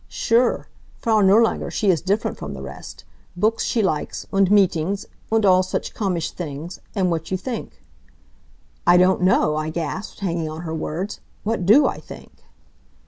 Sure! Frau Nirlanger, she is different from the rest. Books she likes, und meetings, und all such komisch things. And what you think!" "I don't know," I gasped, hanging on her words, "what DO I think?"